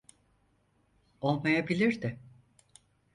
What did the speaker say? Olmayabilir de.